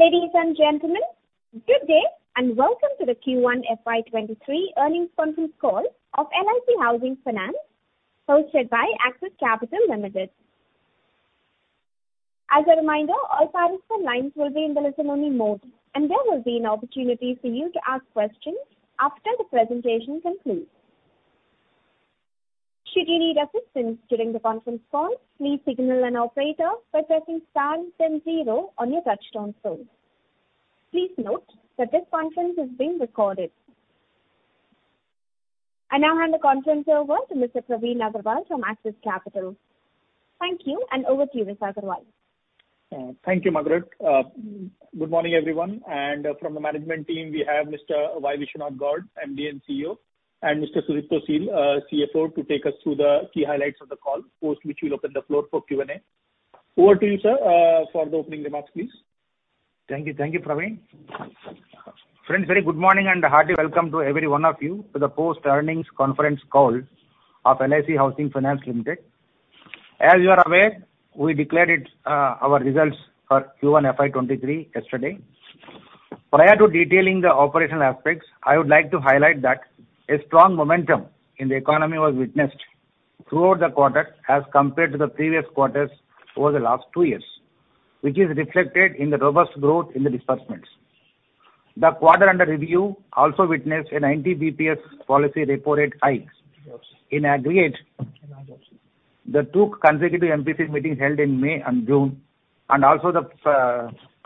Ladies and gentlemen, good day and welcome to the Q1 FY 2023 earnings conference call of LIC Housing Finance, hosted by Axis Capital Limited. As a reminder, all lines will be in the listen-only mode, and there will be an opportunity for you to ask questions after the presentation concludes. Should you need assistance during the conference call, please signal an operator by pressing star then zero on your touchtone phone. Please note that this conference is being recorded. I now hand the conference over to Mr. Praveen Agarwal from Axis Capital. Thank you, and over to you, Mr. Agarwal. Thank you, Margaret. Good morning, everyone, and from the management team we have Mr. Y. Viswanatha Gowd, MD and CEO, and Mr. Sudipto Sil, CFO, to take us through the key highlights of the call, post which we'll open the floor for Q&A. Over to you, sir, for the opening remarks, please. Thank you. Thank you, Praveen. Friends, very good morning and heartily welcome to every one of you to the post-earnings conference call of LIC Housing Finance Limited. As you are aware, we declared it, our results for Q1 FY 2023 yesterday. Prior to detailing the operational aspects, I would like to highlight that a strong momentum in the economy was witnessed throughout the quarter as compared to the previous quarters over the last two years, which is reflected in the robust growth in the disbursements. The quarter under review also witnessed a 90 basis points policy repo rate hike. In aggregate, the two consecutive MPC meetings held in May and June, and also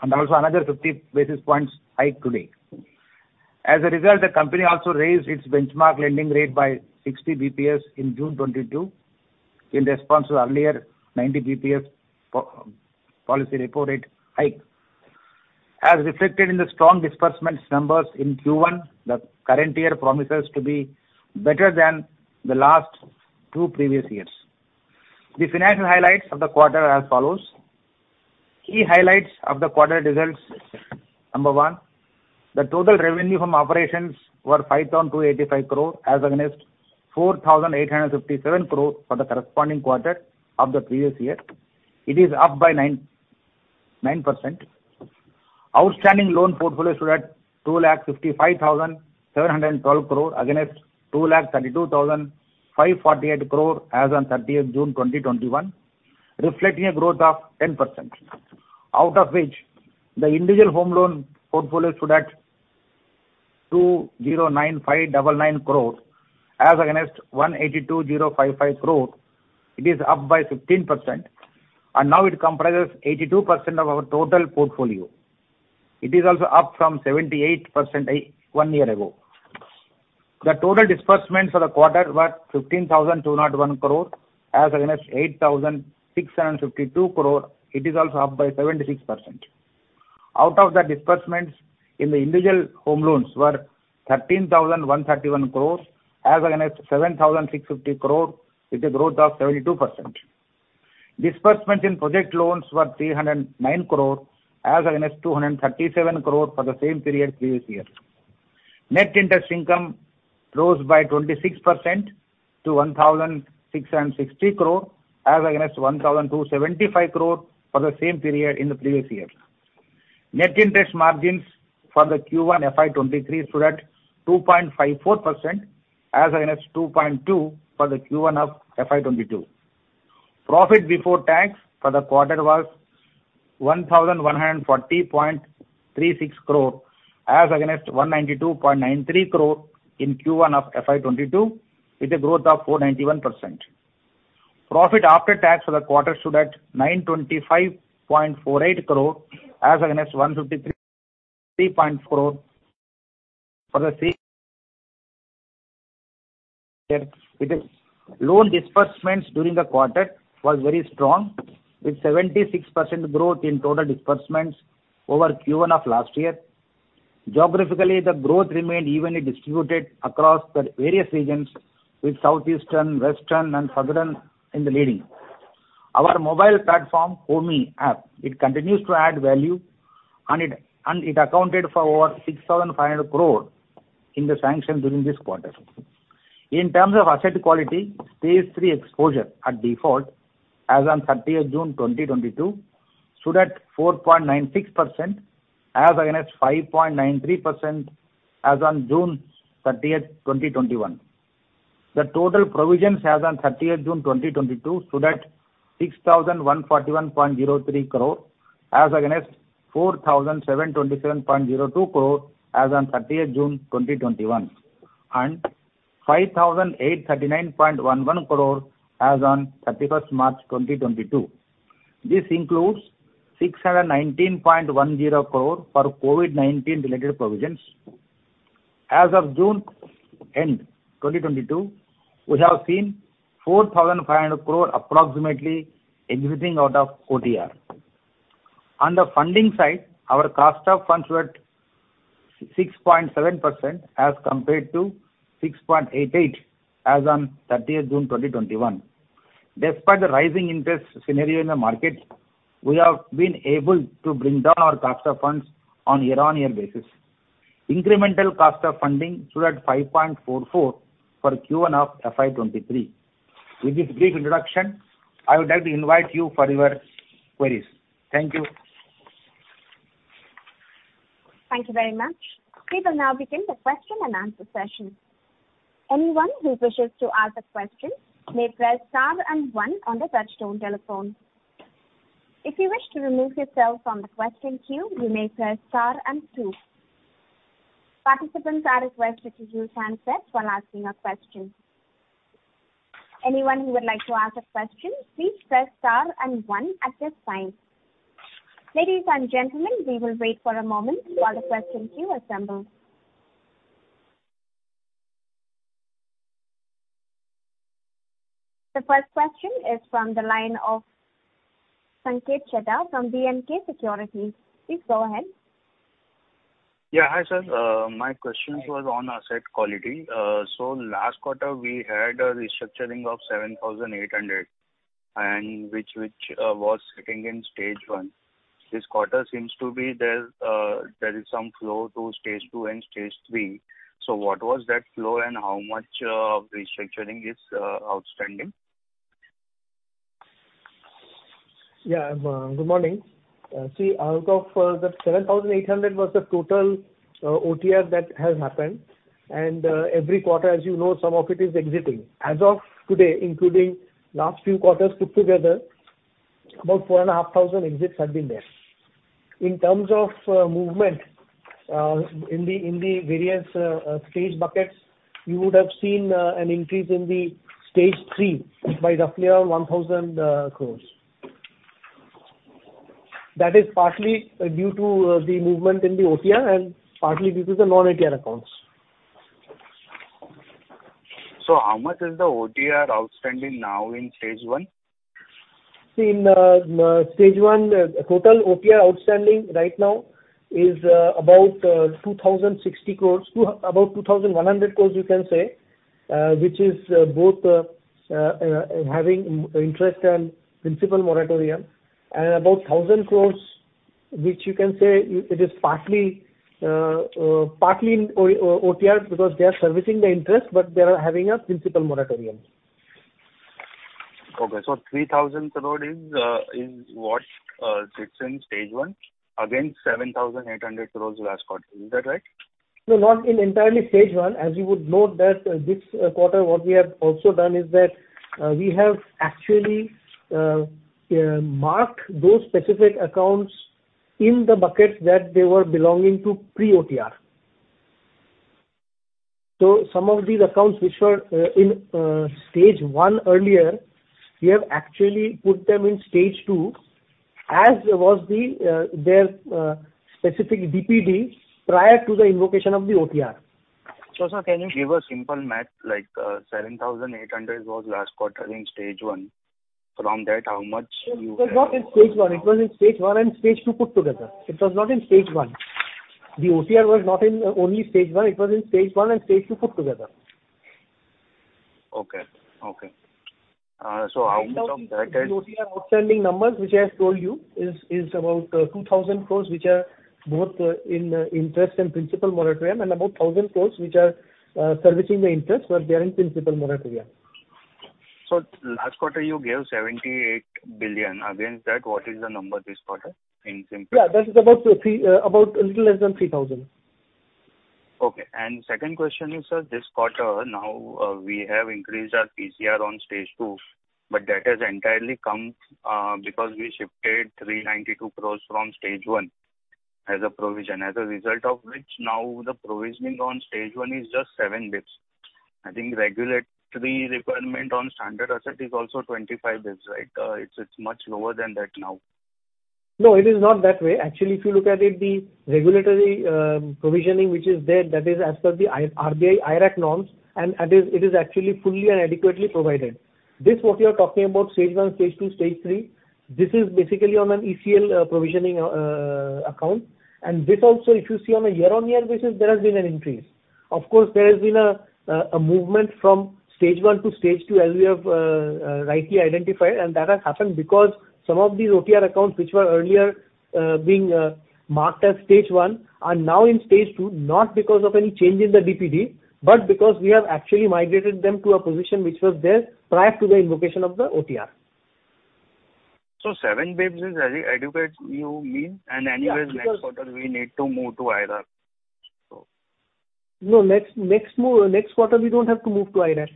another 50 basis points hike today. As a result, the company also raised its benchmark lending rate by 60 basis points in June 2022 in response to earlier 90 basis points policy repo rate hike. As reflected in the strong disbursements numbers in Q1, the current year promises to be better than the last two previous years. The financial highlights of the quarter are as follows. Key highlights of the quarter results. Number one, the total revenue from operations were 5,285 crore as against 4,857 crore for the corresponding quarter of the previous year. It is up by 9.9%. Outstanding loan portfolio stood at 2,55,757 crore against 2,32,548 crore as on 30th June 2021, reflecting a growth of 10%. Out of which, the individual home loan portfolio stood at 2,09,599 crore as against 1,82,055 crore. It is up by 15%, and now it comprises 82% of our total portfolio. It is also up from 78% 81% one year ago. The total disbursements for the quarter were 15,201 crore as against 8,652 crore. It is also up by 76%. Out of the disbursements in the individual home loans were 13,131 crores as against 7,650 crore with a growth of 72%. Disbursement in project loans were 309 crore as against 237 crore for the same period previous year. Net interest income rose by 26% to 1,660 crore as against 1,275 crore for the same period in the previous year. Net interest margins for the Q1 FY 2023 stood at 2.54% as against 2.2% for the Q1 of FY 2022. Profit before tax for the quarter was 1,140.36 crore as against 192.93 crore in Q1 of FY 2022, with a growth of 491%. Profit after tax for the quarter stood at 925.48 crore as against 153.4 crore for the same year. Our loan disbursements during the quarter was very strong with 76% growth in total disbursements over Q1 of last year. Geographically, the growth remained evenly distributed across the various regions with southeastern, western, and southern leading. Our mobile platform, HomeY app, it continues to add value and it accounted for over 6,500 crore in the sanction during this quarter. In terms of asset quality, stage three exposure at default as on 30th June 2022 stood at 4.96% as against 5.93% as on June 30th, 2021. The total provisions as on 30th June 2022 stood at 6,141.03 crore as against 4,727.02 crore as on 30th June 2021, and 5,839.11 crore as on 31st March 2022. This includes 619.10 crore for COVID-19 related provisions. As of June 10th, 2022, we have seen 4,500 crore approximately exiting out of OTR. On the funding side, our cost of funds were at 6.7% as compared to 6.88% as on 30th June 2021. Despite the rising interest scenario in the market, we have been able to bring down our cost of funds on year-on-year basis. Incremental cost of funding stood at 5.44% for Q1 of FY 2023. With this brief introduction, I would like to invite you for your queries. Thank you. Thank you very much. We will now begin the question and answer session. Anyone who wishes to ask a question may press star and one on the touchtone telephone. If you wish to remove yourself from the question queue, you may press star and two. Participants are requested to use handsets while asking a question. Anyone who would like to ask a question, please press star and one at this time. Ladies and gentlemen, we will wait for a moment while the question queue assembles. The first question is from the line of Sanket Chheda from B&K Securities. Please go ahead. Yeah. Hi, sir. My question was on asset quality. Last quarter, we had a restructuring of 7,800 which was sitting in stage one. This quarter seems there is some flow to stage two and stage three. What was that flow and how much restructuring is outstanding? Yeah. Good morning. See, out of the 7,800 was the total OTR that has happened. Every quarter, as you know, some of it is exiting. As of today, including last few quarters put together, about 4,500 exits have been there. In terms of movement, in the various stage buckets, you would have seen an increase in the stage three by roughly around 1,000 crores. That is partly due to the movement in the OTR and partly due to the non-OTR accounts. How much is the OTR outstanding now in stage one? In stage one, total OTR outstanding right now is about 2,060 crores. About 2,100 crores you can say, which is both having interest and principal moratorium. About 1,000 crores, which you can say it is partly in OTR because they are servicing the interest, but they are having a principal moratorium. Okay. 3,000 crore is what sits in stage one against 7,800 crore last quarter. Is that right? No, not entirely in stage one. As you would note that this quarter, what we have also done is that we have actually marked those specific accounts in the buckets that they were belonging to pre-OTR. So some of these accounts which were in stage one earlier, we have actually put them in stage two as was their specific DPD prior to the invocation of the OTR. Sir, can you give a simple math like, 7,800 was last quarter in stage one. From that, how much you have- It was not in stage one. It was in stage one and stage two put together. It was not in stage one. The OTR was not in only stage one. It was in stage one and stage two put together. How much of that is? The OTR outstanding numbers which I have told you is about 2,000 crore, which are both in interest and principal moratorium, and about 1,000 crore which are servicing the interest, but they are in principal moratorium. Last quarter you gave 78 billion. Against that, what is the number this quarter in simple- Yeah. That is about a little less than 3,000. Okay. Second question is, sir, this quarter now, we have increased our TCR on stage two, but that has entirely come because we shifted 392 crore from stage one as a provision. As a result of which, now the provisioning on stage one is just seven basis. I think regulatory requirement on standard asset is also 25 basis, right? It's much lower than that now. No, it is not that way. Actually, if you look at it, the regulatory provisioning which is there, that is as per the RBI IRAC norms, and it is actually fully and adequately provided. This what you are talking about, stage one, stage two, stage three, this is basically on an ECL provisioning account. This also if you see on a year-on-year basis, there has been an increase. Of course, there has been a movement from stage one to stage two as we have rightly identified. That has happened because some of these OTR accounts which were earlier being marked as stage one are now in stage two, not because of any change in the DPD, but because we have actually migrated them to a position which was there prior to the invocation of the OTR. 7 basis is adequate you mean? Yeah. Because. Anyways next quarter we need to move to IRAC, so. No, next quarter, we don't have to move to IRAC.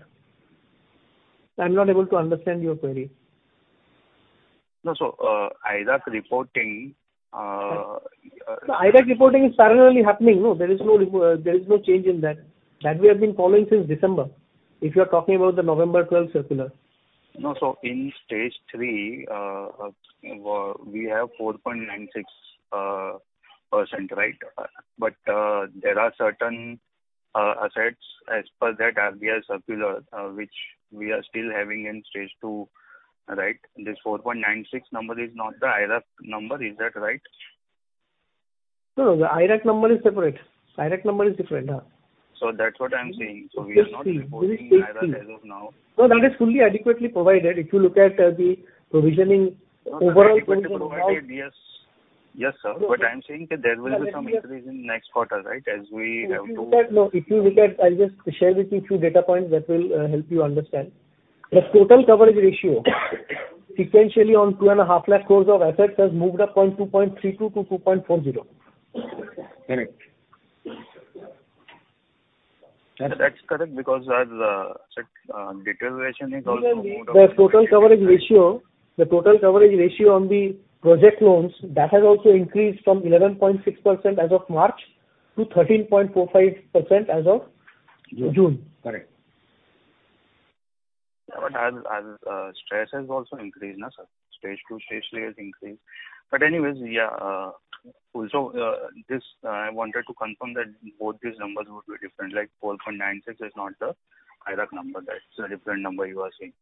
I'm not able to understand your query. No. IRAC reporting. No. IRAC reporting is parallelly happening. No, there is no change in that. That we have been following since December, if you are talking about the November 12 circular. No. In stage three, we have 4.96%, right? But there are certain assets as per that RBI circular, which we are still having in stage two, right? This 4.96 number is not the IRAC number. Is that right? No. The IRAC number is separate. IRAC number is separate. Yeah. That's what I'm saying. We are not reporting IRAC as of now. That is fully adequately provided. If you look at the provisioning overall. Adequately provided, yes. Yes, sir. I'm saying that there will be some increase in next quarter, right? As we have to- If you look at, I'll just share with you few data points that will help you understand. The total coverage ratio sequentially on 250,000 crore of assets has moved up from 2.32 to 2.40. Correct. That's correct because, as said, deterioration is also more- The total coverage ratio on the project loans, that has also increased from 11.6% as of March to 13.45% as of June. Correct. As stress has also increased, huh, sir? Stage two, stage three has increased. Anyways, yeah. Also, this, I wanted to confirm that both these numbers would be different. Like 4.96 is not the IRAC number. That's a different number you are saying.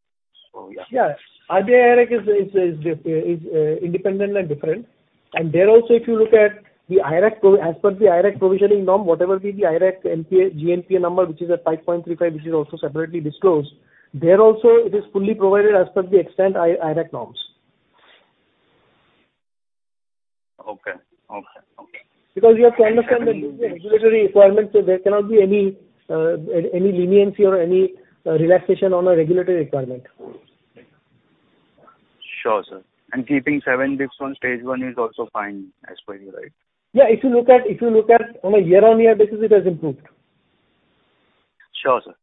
Yeah. Yeah. IRAC is independent and different. There also, if you look at as per the IRAC provisioning norm, whatever be the IRAC NPA, GNPA number, which is at 5.35%, which is also separately disclosed, there also it is fully provided as per the existing IRAC norms. Okay. Because you have to understand that these are regulatory requirements, so there cannot be any leniency or any relaxation on a regulatory requirement. Sure, sir. Keeping seven dips on stage one is also fine as per you, right? Yeah, if you look at on a year-on-year basis, it has improved. Sure, sir.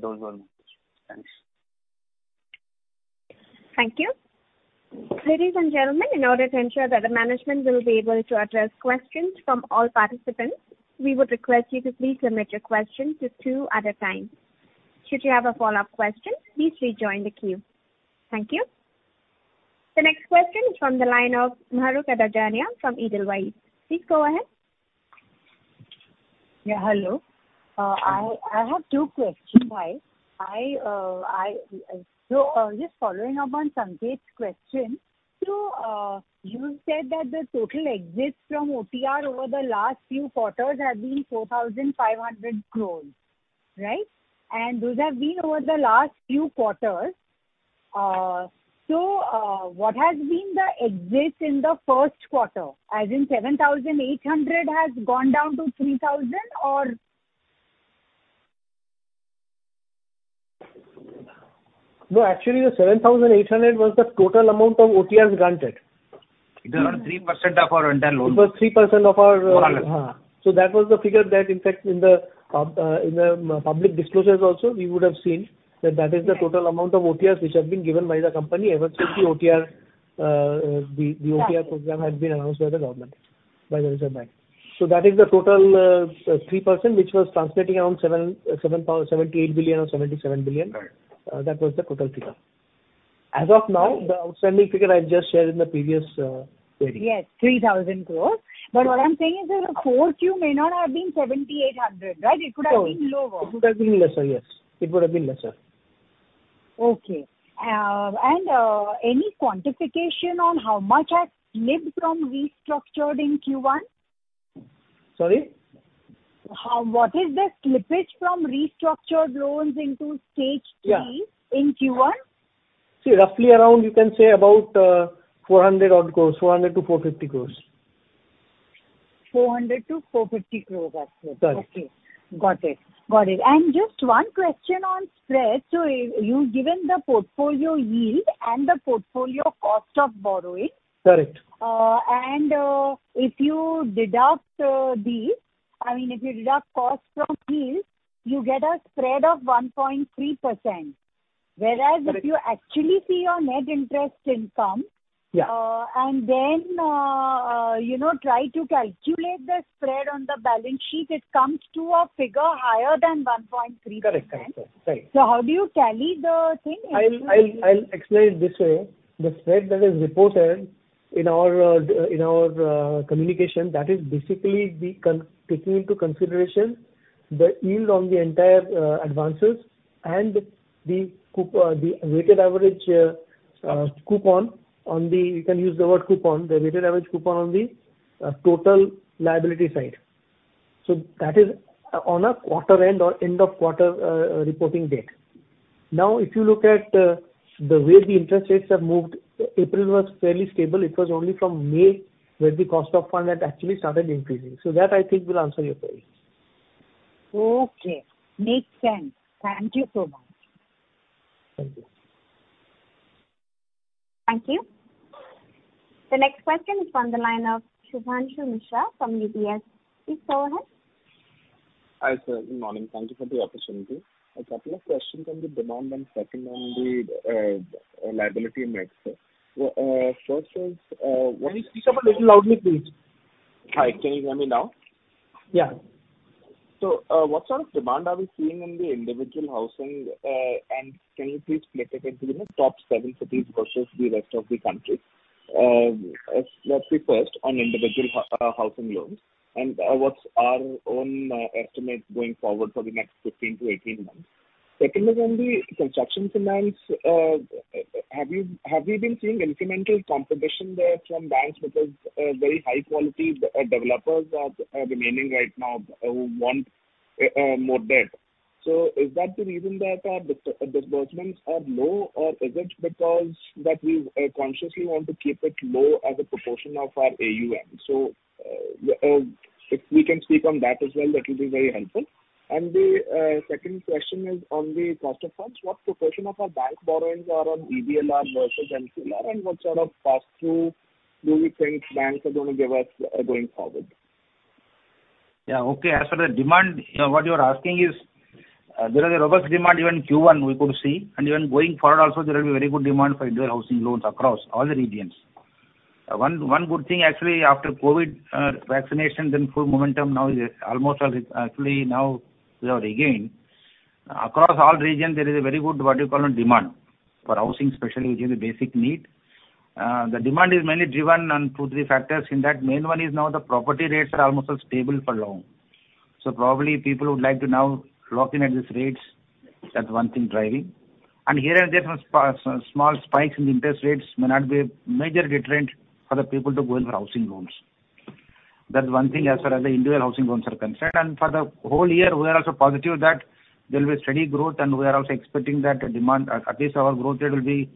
Those were my questions. Thanks. Thank you. Ladies and gentlemen, in order to ensure that the management will be able to address questions from all participants, we would request you to please limit your question to two at a time. Should you have a follow-up question, please rejoin the queue. Thank you. The next question is from the line of Mahrukh Adajania from Edelweiss. Please go ahead. Yeah, hello. I have two questions. Just following up on Sanket's question. You said that the total exits from OTR over the last few quarters have been 4,500 crore, right? And those have been over the last few quarters. What has been the exits in the first quarter, as in 7,800 crore has gone down to 3,000 crore or? No, actually the 7,800 was the total amount of OTRs granted. It was around 3% of our entire loans. It was 3% of our More or less. That was the figure that in fact in the public disclosures also, you would have seen that that is the total amount of OTRs which have been given by the company ever since the OTR program had been announced by the government, by the Reserve Bank. That is the total 3%, which was translating around 78 billion or 77 billion. Right. That was the total figure. As of now, the outstanding figure I just shared in the previous period. Yes, 3,000 crore. What I'm saying is that the core queue may not have been 7,800, right? It could have been lower. It would have been lesser, yes. Okay. Any quantification on how much has slipped from restructured in Q1? Sorry? What is the slippage from restructured loans into stage three? Yeah. In Q1? See, roughly around you can say about 400 odd crores, 400-450 crores. 400-450 crores approximately. Right. Okay. Got it. Just one question on spread. You've given the portfolio yield and the portfolio cost of borrowing. Correct. I mean, if you deduct costs from yields, you get a spread of 1.3%. Whereas if you actually see your net interest income. Yeah. You know, try to calculate the spread on the balance sheet, it comes to a figure higher than 1.3%. Correct. Correct, sir. Right. How do you tally the thing into? I'll explain it this way. The spread that is reported in our communication, that is basically taking into consideration the yield on the entire advances and the weighted average coupon on the. You can use the word coupon, the weighted average coupon on the total liability side. That is on a quarter end or end of quarter reporting date. Now, if you look at the way the interest rates have moved, April was fairly stable. It was only from May where the cost of funds had actually started increasing. That I think will answer your query. Okay. Makes sense. Thank you so much. Thank you. Thank you. The next question is from the line of Shubham Mishra from UBS. Please go ahead. Hi, sir. Good morning. Thank you for the opportunity. A couple of questions on the demand and second on the liability mix. First is, Can you speak up a little loudly, please? Hi, can you hear me now? Yeah. What sort of demand are we seeing in the individual housing? Can you please split it into the top seven cities versus the rest of the country? That's the first on individual housing loans. What's our own estimate going forward for the next 15-18 months? Second is on the construction finance. Have you been seeing incremental competition there from banks because very high quality developers are demanding right now who want more debt? Is that the reason that our disbursements are low, or is it because that we consciously want to keep it low as a proportion of our AUM? If we can speak on that as well, that will be very helpful. The second question is on the cost of funds. What proportion of our bank borrowings are on EBLR versus MCLR, and what sort of pass-through do we think banks are gonna give us, going forward? Yeah, okay. As for the demand, what you are asking is, there is a robust demand even Q1 we could see, and even going forward also there will be very good demand for individual housing loans across all the regions. One good thing actually after COVID vaccination then full momentum now is almost all actually now we have regained. Across all regions there is a very good what you call demand for housing especially which is a basic need. The demand is mainly driven on two, three factors in that main one is now the property rates are almost stable for long. So probably people would like to now lock in at these rates. That's one thing driving. Here and there some small spikes in interest rates may not be a major deterrent for the people to go in for housing loans. That's one thing as far as the individual housing loans are concerned. For the whole year, we are also positive that there will be a steady growth and we are also expecting that the demand, at least our growth rate will be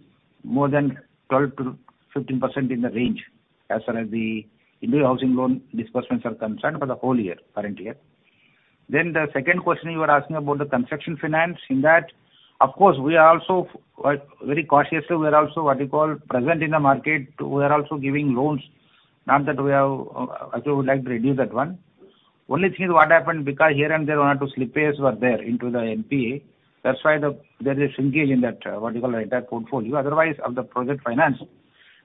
more than 12%-15% in the range as far as the individual housing loan disbursements are concerned for the whole year, current year. The second question you are asking about the construction finance. In that, of course, we are also very cautiously, we are also what you call present in the market. We are also giving loans, not that we have, actually would like to reduce that one. Only thing is what happened because here and there one or two slippage were there into the NPA. That's why the, there is a shrinkage in that, what you call entire portfolio. Otherwise of the project finance.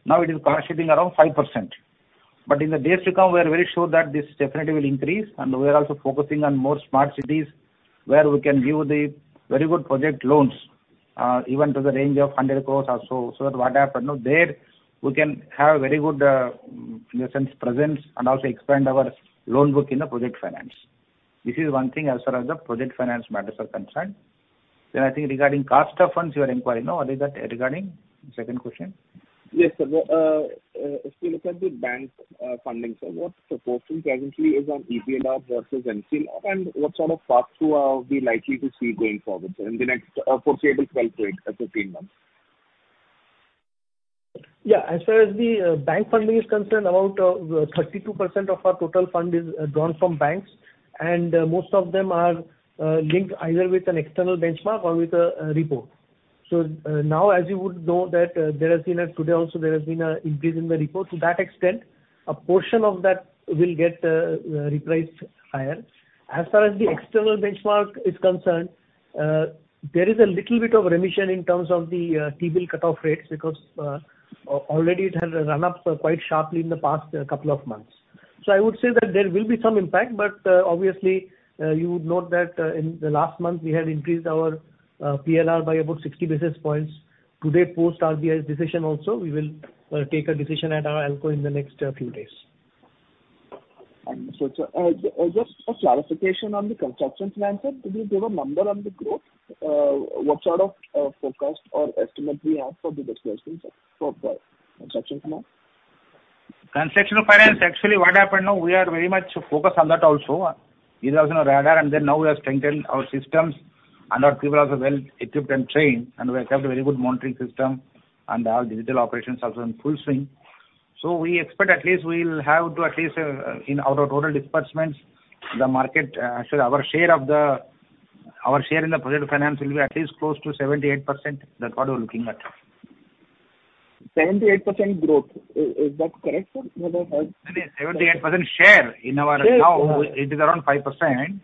Now it is fluctuating around 5%. In the days to come we are very sure that this definitely will increase and we are also focusing on more smart cities where we can give the very good project loans, even to the range of 100 crore or so. What happened, now there we can have very good, in the sense presence and also expand our loan book in the project finance. This is one thing as far as the project finance matters are concerned. I think regarding cost of funds you are inquiring. No, what is that regarding? Second question. Yes, sir. If you look at the bank funding, sir, what proportion presently is on EBLR versus MCLR, and what sort of pass-through are we likely to see going forward, sir, in the next foreseeable 12-18 months? Yeah. As far as the bank funding is concerned, about 32% of our total fund is drawn from banks, and most of them are linked either with an external benchmark or with a repo. Now as you would know that today also there has been an increase in the repo. To that extent, a portion of that will get repriced higher. As far as the external benchmark is concerned, there is a little bit of remission in terms of the T-bill cut-off rates because already it has run up quite sharply in the past couple of months. I would say that there will be some impact, but obviously you would note that in the last month we had increased our PLR by about 60 basis points. Today, post RBI's decision also, we will take a decision at our ALCO in the next few days. Sir, just a clarification on the construction finance, sir. Could you give a number on the growth? What sort of forecast or estimate we have for the disbursements for the construction finance? Construction finance, actually what happened now, we are very much focused on that also. It was in our radar and then now we have strengthened our systems and our people are well equipped and trained, and we have a very good monitoring system and our digital operations also in full swing. We expect at least we'll have to at least in our total disbursements, the market, so our share of the. Our share in the project finance will be at least close to 78%. That's what we're looking at. 78% growth. Is that correct, sir? 78% share in our- Share. Now it is around 5%.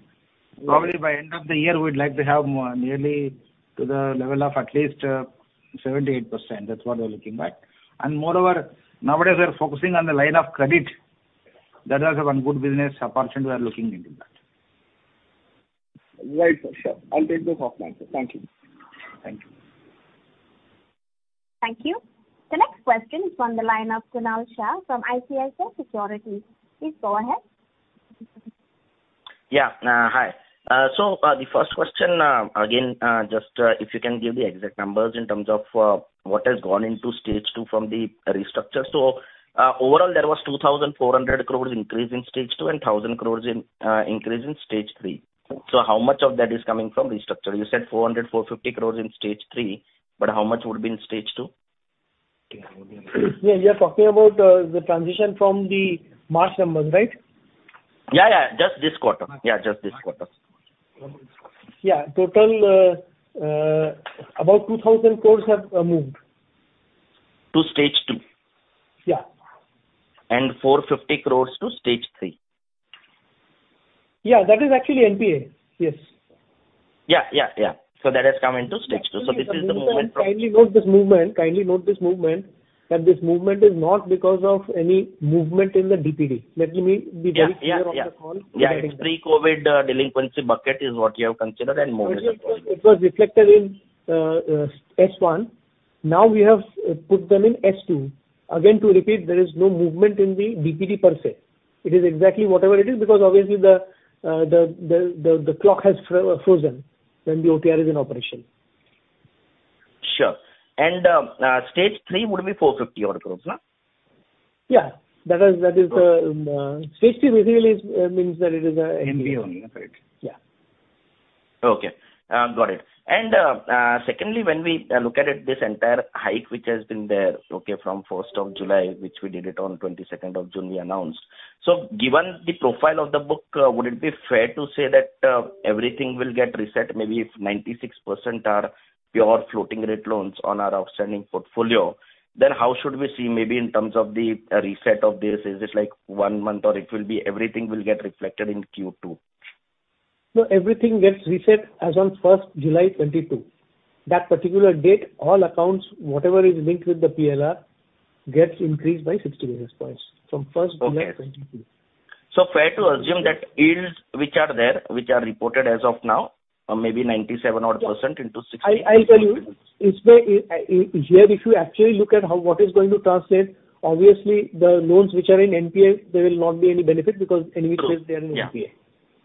Probably by end of the year, we would like to have more nearly to the level of at least 78%. That's what we are looking at. Moreover, nowadays we are focusing on the line of credit. That is also one good business opportunity we are looking into that. Right. Sure. I'll take this offline, sir. Thank you. Thank you. Thank you. The next question is from the line of Kunal Shah from ICICI Securities. Please go ahead. Yeah. Hi. The first question, again, just if you can give the exact numbers in terms of what has gone into stage two from the restructure. Overall there was 2,400 crore increase in stage two and 1,000 crore increase in stage three. How much of that is coming from restructure? You said 400-450 crore in stage three, but how much would be in stage two? Yeah. You're talking about the transition from the March numbers, right? Yeah, yeah. Just this quarter. Yeah, just this quarter. Yeah. Total, about 2,000 crore have moved. To stage two? Yeah. 450 crore to stage three? Yeah. That is actually NPA. Yes. Yeah. That has come into stage two. This is the movement from Kindly note this movement, that this movement is not because of any movement in the DPD. Let me be very clear on the call. Yeah, it's pre-COVID delinquency bucket is what you have considered and movement. It was reflected in S-1. Now we have put them in S2. Again, to repeat, there is no movement in the DPD per se. It is exactly whatever it is because obviously the clock has frozen when the OTR is in operation. Sure. Stage three would be 450-odd crores, no? Yeah. That is the stage three basically means that it is. MP only, right? Yeah. Okay. Got it. Secondly, when we look at it, this entire hike which has been there, from first of July, which we did it on 22nd of June we announced. Given the profile of the book, would it be fair to say that everything will get reset maybe if 96% are pure floating rate loans on our outstanding portfolio, then how should we see maybe in terms of the reset of this? Is it like one month or it will be everything will get reflected in Q2? No, everything gets reset as on first July 2022. That particular date, all accounts, whatever is linked with the PLR, gets increased by 60 basis points from first July 2022. Okay. Fair to assume that yields which are there, which are reported as of now, are maybe 97-odd% into sixty- I'll tell you. It's where, here if you actually look at how, what is going to translate, obviously the loans which are in NPA, there will not be any benefit because anyway. Sure, yeah. They are in NPA. Got it.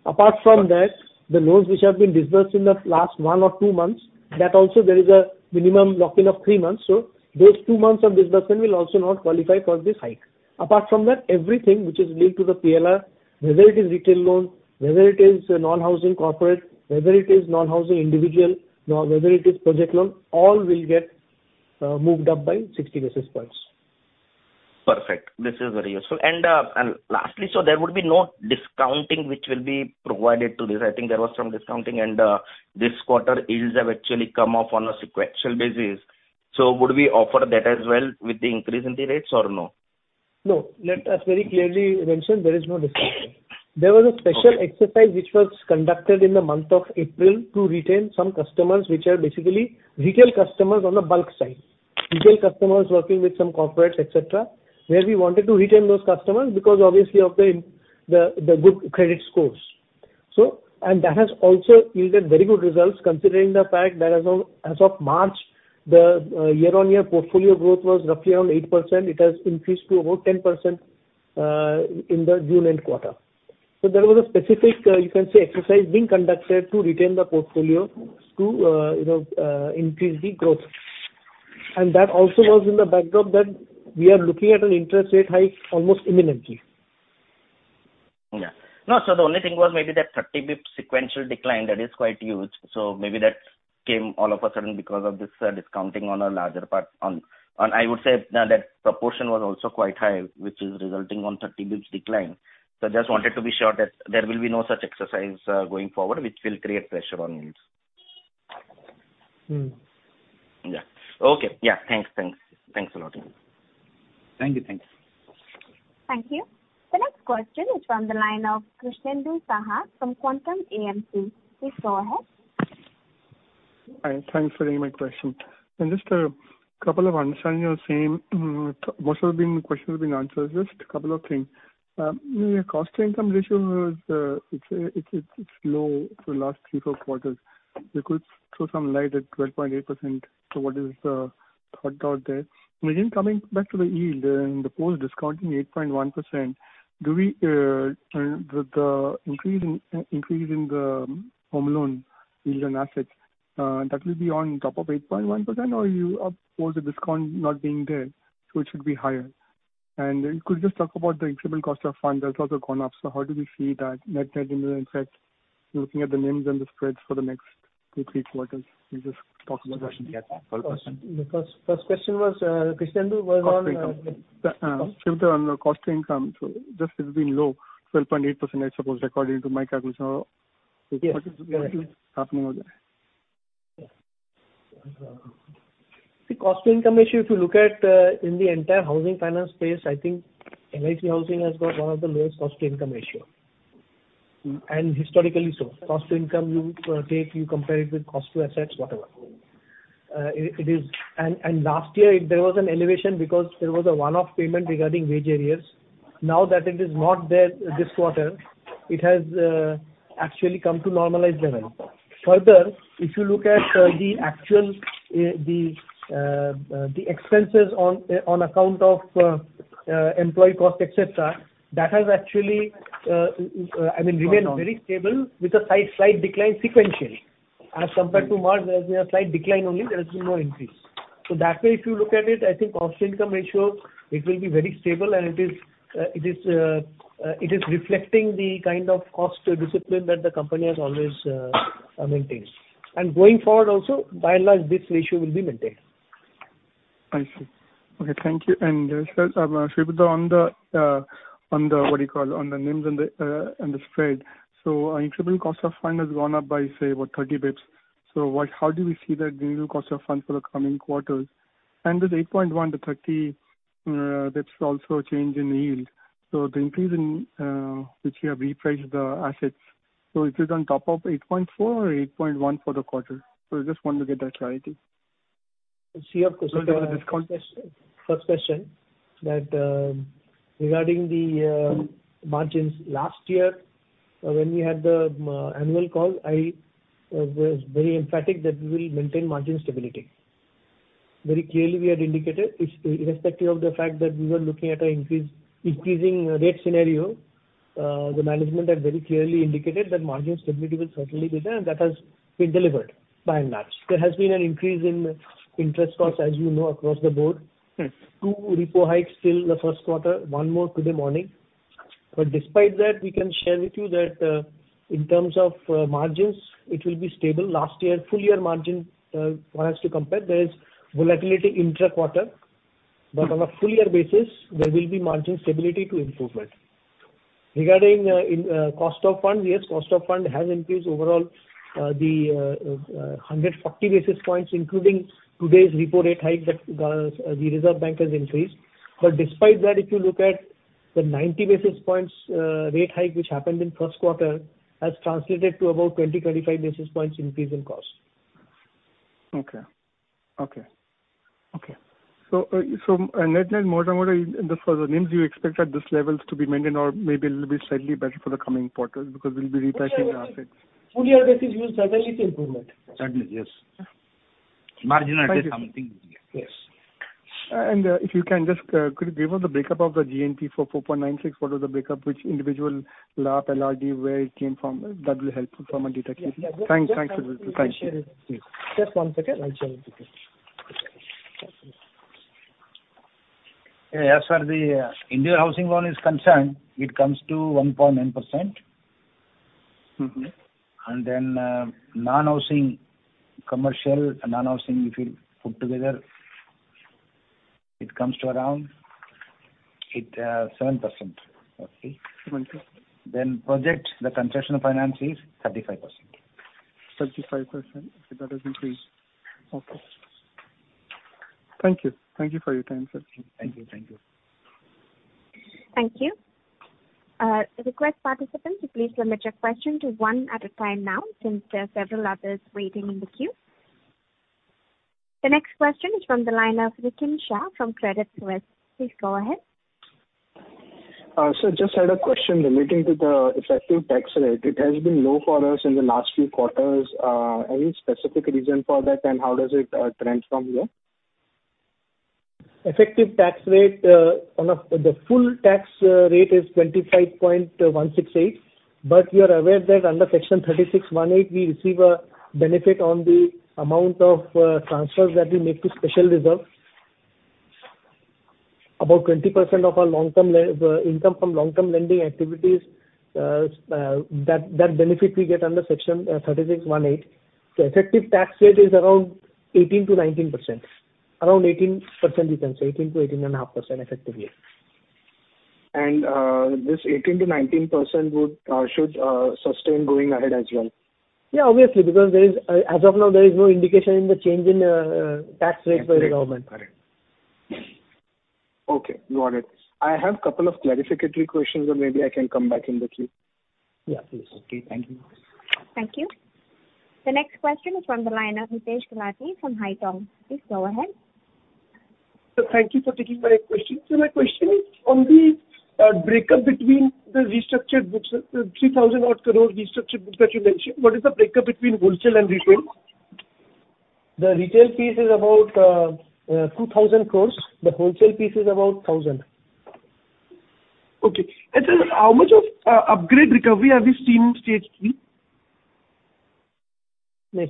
Apart from that, the loans which have been disbursed in the last one or two months, that also there is a minimum lock-in of three months, so those two months of disbursement will also not qualify for this hike. Apart from that, everything which is linked to the PLR, whether it is retail loans, whether it is non-housing corporate, whether it is non-housing individual or whether it is project loan, all will get moved up by 60 basis points. Perfect. This is very useful. Lastly, there would be no discounting which will be provided to this. I think there was some discounting and this quarter yields have actually come up on a sequential basis. Would we offer that as well with the increase in the rates or no? No. Let us very clearly mention there is no discounting. Okay. There was a special exercise which was conducted in the month of April to retain some customers, which are basically retail customers on the bulk side. Retail customers working with some corporates, et cetera, where we wanted to retain those customers because obviously of the good credit scores. That has also yielded very good results considering the fact that as of March, the year-on-year portfolio growth was roughly around 8%. It has increased to about 10% in the June end quarter. There was a specific, you can say, exercise being conducted to retain the portfolio to, you know, increase the growth. That also was in the backdrop that we are looking at an interest rate hike almost imminently. Yeah. No, the only thing was maybe that 30 basis points sequential decline that is quite huge, so maybe that came all of a sudden because of this, discounting on a larger part on, and I would say now that proportion was also quite high, which is resulting in 30 basis points decline. Just wanted to be sure that there will be no such exercise going forward which will create pressure on yields. Yeah. Okay. Yeah. Thanks. Thanks. Thanks a lot. Thank you. Thanks. Thank you. The next question is from the line of Krishnendu Saha from Quantum AMC. Please go ahead. Hi, thanks for taking my question. Just a couple of understanding the same, most of the questions have been answered. Just a couple of things. Your cost-to-income ratio is, it's low for the last 3-4 quarters. You could throw some light on 12.8%. What is the thought out there? Again, coming back to the yield and the post-discounting 8.1%, the increase in the home loan yield on assets that will be on top of 8.1% or the discount not being there, so it should be higher? Could you just talk about the incremental cost of funds that has also gone up. How do we see that net in effect, looking at the NIMs and the spreads for the next 2-3 quarters? Can you just talk about that? What question did he ask? What question? The first question was, Krishnendu was on. Cost to income. Sudipto, on the cost to income. Just it's been low, 12.8% I suppose according to my calculation or- Yes. What is happening over there? The cost-to-income ratio, if you look at in the entire housing finance space, I think LIC Housing has got one of the lowest cost-to-income ratio. Historically so. Cost to income, you compare it with cost to assets, whatever. It is. Last year there was an elevation because there was a one-off payment regarding wage arrears. Now that it is not there this quarter, it has actually come to normalized level. Further, if you look at the actual, the expenses on account of employee cost et cetera, that has actually, I mean, remained very stable with a slight decline sequentially. As compared to March, there's been a slight decline only. There has been no increase. That way, if you look at it, I think cost-to-income ratio, it will be very stable and it is reflecting the kind of cost discipline that the company has always maintained. Going forward also, by and large, this ratio will be maintained. I see. Okay, thank you. Sir, Sudipto, on the NIMs and the spread. Our incremental cost of fund has gone up by, say, about 30 basis points. What, how do we see that general cost of funds for the coming quarters? With 8.1-30 basis points also a change in yield. The increase in which you have repriced the assets. Is it on top of 8.4 or 8.1 for the quarter? I just want to get that clarity. See, of course. Regarding the discount. First question that regarding the margins last year. When we had the annual call, I was very emphatic that we will maintain margin stability. Very clearly we had indicated it's irrespective of the fact that we were looking at an increasing rate scenario. The management had very clearly indicated that margin stability will certainly be there, and that has been delivered by and large. There has been an increase in interest costs, as you know, across the board. Two repo hikes till the first quarter, one more today morning. Despite that, we can share with you that, in terms of, margins, it will be stable. Last year, full year margin, for us to compare, there is volatility intra-quarter. On a full year basis, there will be margin stability to improvement. Regarding the cost of funds, yes, cost of funds has increased overall, the 140 basis points including today's repo rate hike that the Reserve Bank has increased. Despite that, if you look at the 90 basis points rate hike which happened in first quarter, has translated to about 20-35 basis points increase in cost. Net net, more than what in the future NIMs you expect at these levels to be maintained or maybe a little bit slightly better for the coming quarters because we'll be repricing our assets. Actually, full year basis, yes, certainly it's improvement. Certainly, yes. Yeah. Margin address something. Yeah. Yes. Could you give us the break-up of the GNPA for 4.96%? What is the break-up which individual LAP, LRD, where it came from? That will help from a detection. Yeah. Yeah. Thank you. Just one second. I'll share with you. Okay. Yeah, as far as the individual housing loan is concerned, it comes to 1.9%. Non-housing commercial and non-housing, if you put together, it comes to around 7%. Okay. 7%. Project, the concession finance is 35%. 35%. That has increased. Okay. Thank you. Thank you for your time, sir. Thank you. Thank you. Thank you. Request participants to please limit your question to one at a time now since there are several others waiting in the queue. The next question is from the line of Rikin Shah from Credit Suisse. Please go ahead. Sir, just had a question relating to the effective tax rate. It has been low for us in the last few quarters. Any specific reason for that? How does it trend from here? Effective tax rate. The full tax rate is 25.168. You are aware that under Section 36(1)(viii), we receive a benefit on the amount of transfers that we make to special reserve. About 20% of our long-term income from long-term lending activities, that benefit we get under Section 36(1)(viii). Effective tax rate is around 18%-19%. Around 18% you can say, 18%-18.5% effectively. This 18%-19% should sustain going ahead as well? Yeah. Obviously, because as of now, there is no indication of the change in tax rate by the government. Correct. Okay. Got it. I have couple of clarificatory questions, or maybe I can come back in the queue. Yeah, please. Okay, thank you. Thank you. The next question is from the line of Hitesh Gulati from Haitong. Please go ahead. Sir, thank you for taking my question. My question is on the breakup between the restructured books, 3,000-odd crore restructured books that you mentioned. What is the breakup between wholesale and retail? The retail piece is about 2,000 crores. The wholesale piece is about 1,000 crores. Okay. Sir, how much of upgrade recovery have you seen in stage three?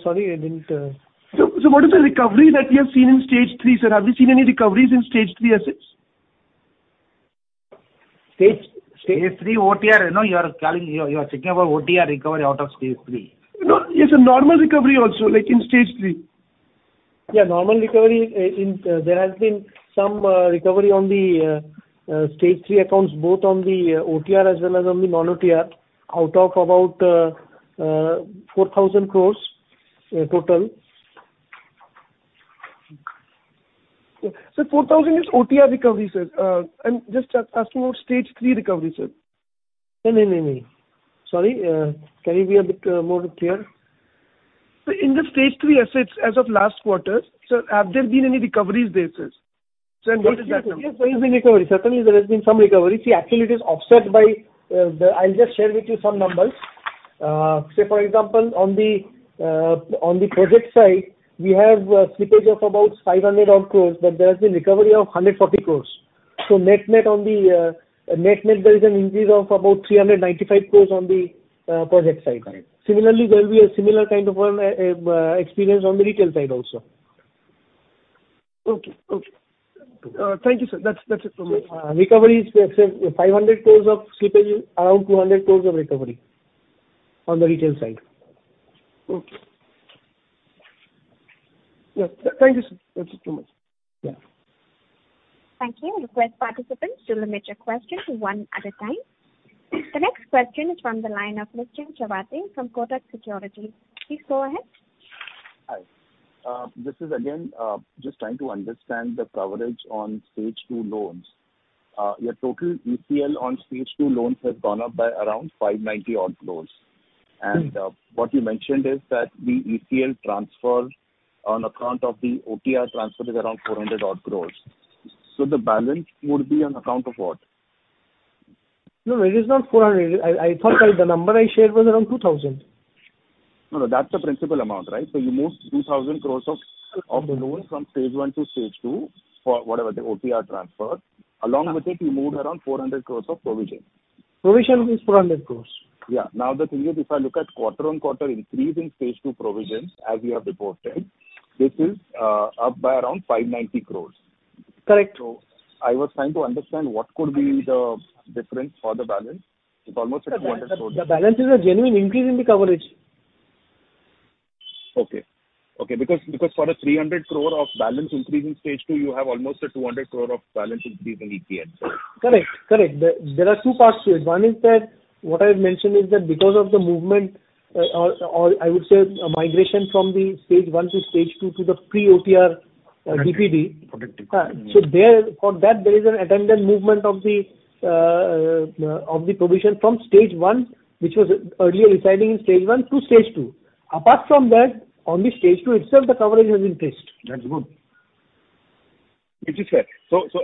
Sorry, I didn't. What is the recovery that you have seen in stage three, sir? Have you seen any recoveries in stage three assets? Stage three OTR. No, you are checking about OTR recovery out of stage three. No. Yes, a normal recovery also, like in stage three. Yeah, normal recovery. There has been some recovery on the stage three accounts both on the OTR as well as on the non-OTR out of about 4,000 crore total. Sir, 4,000 is OTR recovery, sir. I'm just asking about stage three recovery, sir. No. Sorry, can you be a bit more clear? Sir, in the stage three assets as of last quarter, sir, have there been any recoveries there, sir? Sir, what is the recovery? Yes, there is a recovery. Certainly, there has been some recovery. See, actually it is offset by. I'll just share with you some numbers. Say for example, on the project side, we have slippage of about 500 odd crores, but there has been recovery of 140 crores. So net net there is an increase of about 395 crores on the project side. Correct. Similarly, there will be a similar kind of experience on the retail side also. Okay. Thank you, sir. That's it from my side. Recovery is, say, 500 crores of slippage, around 200 crores of recovery on the retail side. Okay. Yeah. Thank you, Yeah. Thank you. Request participants to limit your question to one at a time. The next question is from the line of Mr. Nischint Chawathe from Kotak Securities. Please go ahead. Hi. This is again just trying to understand the coverage on stage two loans. Your total ECL on stage two loans has gone up by around 590 odd crores. What you mentioned is that the ECL transfer on account of the OTR transfer is around 400 odd crore. The balance would be on account of what? No, it is not 400. I thought the number I shared was around 2,000. No, no, that's the principal amount, right? You moved 2,000 crores of loans from stage one to stage two for whatever the OTR transfer. Along with it, you moved around 400 crores of provision. Provision is 400 crore. Yeah. Now the thing is, if I look at quarter-on-quarter increase in stage two provisions, as you have reported, this is up by around 590 crores. Correct. I was trying to understand what could be the difference for the balance. It's almost at 200 crore. The balance is a genuine increase in the coverage. Okay. For a 300 crore balance increase in stage two, you have almost a 200 crore balance increase in ECL. Correct. There are two parts to it. One is that what I've mentioned is that because of the movement or I would say migration from the stage one to stage two to the pre-OTR, DPD. Protecting. Therefore there is an attendant movement of the provision from stage one, which was earlier residing in stage one to stage two. Apart from that, on the stage two itself, the coverage has increased. That's good, which is fair.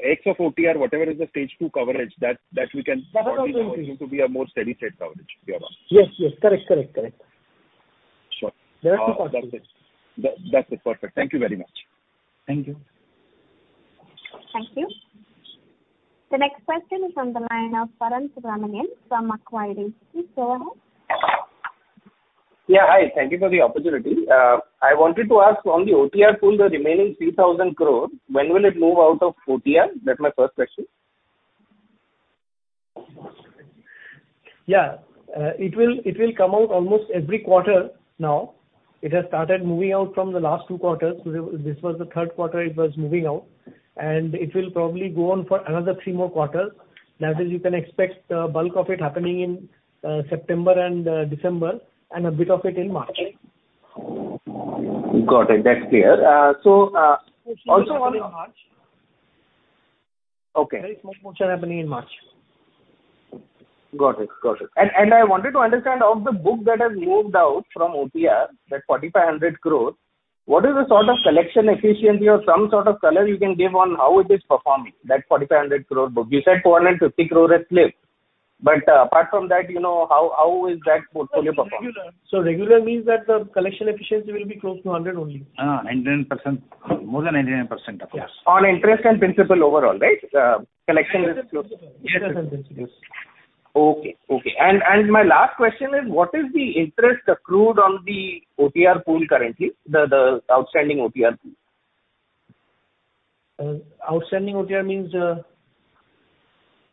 Excess of OTR, whatever is the stage two coverage that we can- That has also increased. Consider to be a more steady-state coverage going on. Yes. Correct. Sure. There are two parts to it. That's it. Perfect. Thank you very much. Thank you. Thank you. The next question is on the line of Varun Subramanian from Equirus Securities. Please go ahead. Yeah, hi. Thank you for the opportunity. I wanted to ask on the OTR pool, the remaining 3,000 crores, when will it move out of OTR? That's my first question. Yeah. It will come out almost every quarter now. It has started moving out from the last two quarters. This was the third quarter it was moving out and it will probably go on for another three more quarters. That is, you can expect the bulk of it happening in September and December and a bit of it in March. Got it. That's clear. It will move only in March. Okay. Very small portion happening in March. Got it. I wanted to understand of the book that has moved out from OTR, that 4,500 crore, what is the sort of collection efficiency or some sort of color you can give on how it is performing, that 4,500 crore book? You said 250 crore at slip. Apart from that, you know, how is that portfolio performing? Regular means that the collection efficiency will be close to 100 only. 99%. More than 99%, of course. Yeah. On interest and principal overall, right? Collection is close. Interest and principal. Yes. Okay. My last question is what is the interest accrued on the OTR pool currently? The outstanding OTR pool. Outstanding OTR means.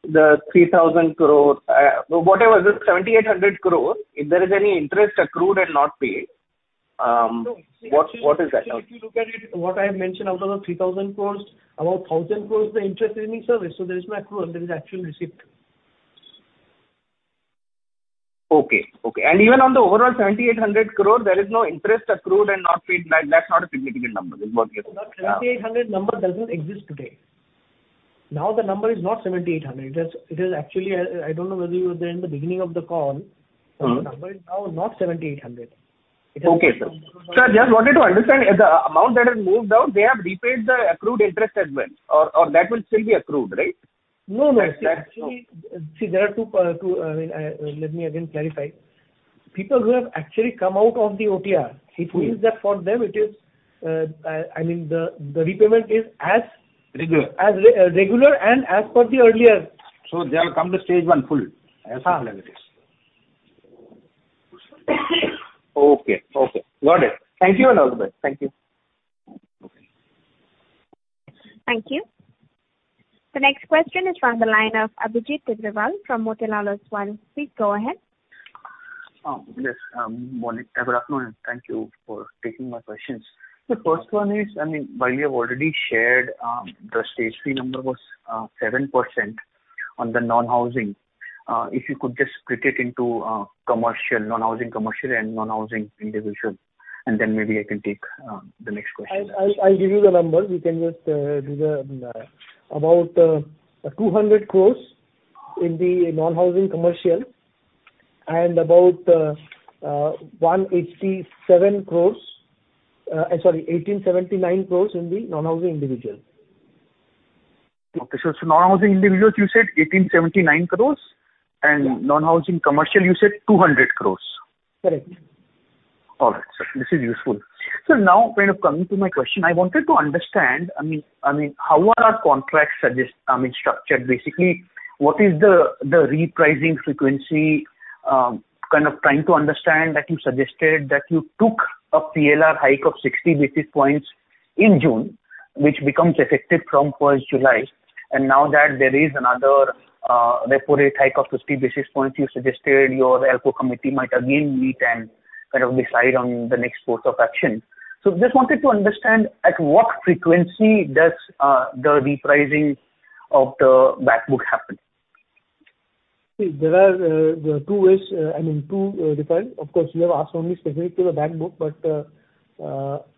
3,000 crore, whatever the 7,800 crore, if there is any interest accrued and not paid. No. What is that now? If you look at it, what I have mentioned out of the 3,000 crore, about 1,000 crore, the interest is serviced. There is no accrual, there is actual receipt. Okay. Even on the overall 7,800 crore, there is no interest accrued and not paid. That's not a significant number is what you're saying. The 7,800 number doesn't exist today. Now the number is not 7,800. It is actually. I don't know whether you were there in the beginning of the call. The number is now not 7,800. It has moved. Okay, sir. Sir, just wanted to understand if the amount that has moved out, they have repaid the accrued interest as well or that will still be accrued, right? No, no. That's Actually, see, there are two, I mean, let me again clarify. People who have actually come out of the OTR. Yes. it means that for them it is, I mean, the repayment is as- Regular. As regular and as per the earlier. They'll come to stage one full. Yes. Okay. Got it. Thank you, everyone. Thank you. Okay. Thank you. The next question is from the line of Abhijit Tibrewal from Motilal Oswal. Please go ahead. Yes. Morning. Good afternoon. Thank you for taking my questions. The first one is, I mean, while you have already shared, the stage three number was 7% on the non-housing, if you could just split it into commercial, non-housing commercial, and non-housing individual, and then maybe I can take the next question. I'll give you the numbers. You can just about 200 crore in the non-housing commercial and about 187 crore, sorry, 1,879 crore in the non-housing individual. Non-housing individual, you said 1,879 crore. Yeah. Non-housing commercial, you said 200 crore. Correct. All right, sir. This is useful. Sir, now kind of coming to my question, I wanted to understand, I mean, how are our contracts structured basically. What is the repricing frequency? Kind of trying to understand that you suggested that you took a PLR hike of 60 basis points in June, which becomes effective from first July. Now that there is another repo rate hike of 50 basis points, you suggested your ALCO committee might again meet and kind of decide on the next course of action. Just wanted to understand at what frequency does the repricing of the back book happen? See, there are two ways, I mean, two different. Of course, you have asked only specific to the back book, but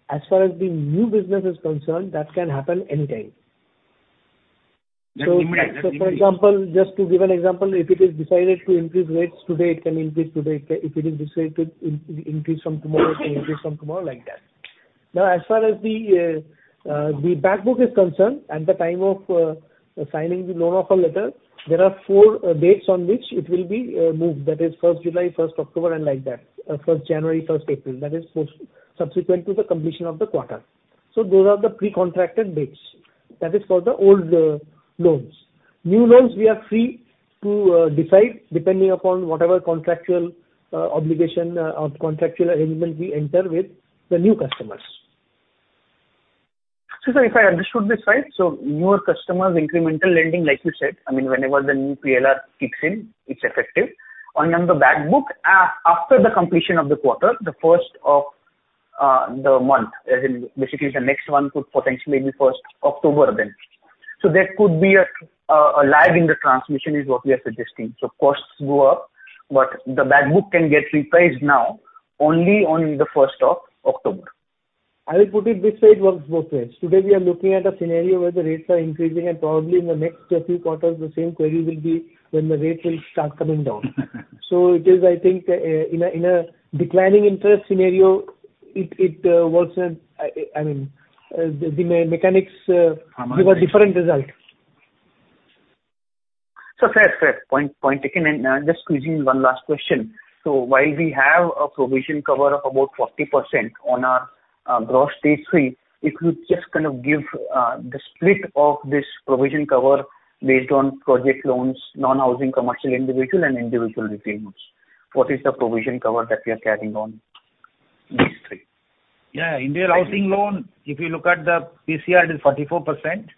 as far as the new business is concerned, that can happen anytime. For example, just to give an example, if it is decided to increase rates today, it can increase today. If it is decided to increase from tomorrow, it can increase from tomorrow, like that. Now, as far as the back book is concerned, at the time of signing the loan offer letter, there are four dates on which it will be moved. That is July 1st, October 1, and like that. January 1st, April. That is post subsequent to the completion of the quarter. Those are the pre-contracted dates. That is for the old loans. New loans we are free to decide depending upon whatever contractual obligation or contractual arrangement we enter with the new customers. Sir, if I understood this right, newer customers incremental lending, like you said, I mean whenever the new PLR kicks in, it's effective. On the back book, after the completion of the quarter, the first of the month, as in basically the next one could potentially be first October then. There could be a lag in the transmission is what we are suggesting. Costs go up, but the back book can get repriced now only on the first of October. I will put it this way, it works both ways. Today we are looking at a scenario where the rates are increasing and probably in the next few quarters the same query will be when the rates will start coming down. It is, I think, in a declining interest scenario, it works. I mean, the mechanics. How much? Give a different result. Fair point taken. Just squeezing one last question. While we have a provision cover of about 40% on our gross Stage three, if you just kind of give the split of this provision cover based on project loans, non-housing commercial individual and individual retailers. What is the provision cover that we are carrying on these three? Yeah. Individual housing loan, if you look at the PCR it is 44%.